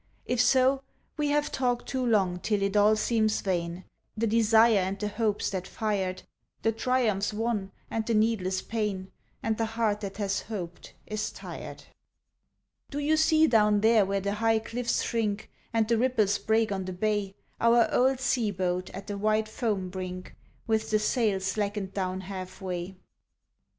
if so We have talked too long till it all seems vain, The desire and the hopes that fired, The triumphs won and the needless pain, And the heart that has hoped is tired. Do you see down there where the high cliffs shrink, And the ripples break on the bay, Our old sea boat at the white foam brink With the sail slackened down half way?